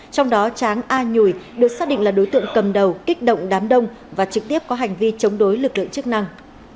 trong đó tráng a nhùi được xác định là đối tượng cầm đầu kích động đám đông và trực tiếp có hành vi chống đối lực lượng chức năng